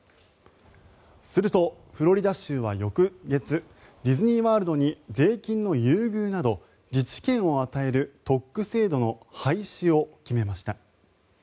すると、フロリダ州は翌月ディズニー・ワールドに税金の優遇など自治権を与える特区制度の廃止を決めました。